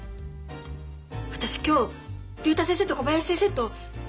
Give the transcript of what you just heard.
私今日竜太先生と小林先生と３人で会う！